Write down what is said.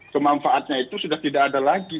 kemanfaatnya itu sudah tidak ada lagi